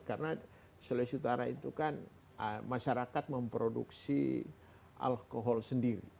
karena sulut utara itu kan masyarakat memproduksi alkohol sendiri